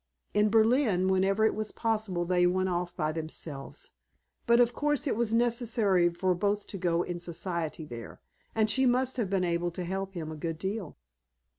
In Berlin, whenever it was possible, they went off by themselves. But of course it was necessary for both to go in Society there, and she must have been able to help him a good deal."